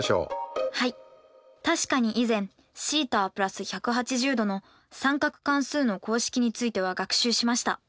確かに以前θ＋１８０°の三角関数の公式については学習しました。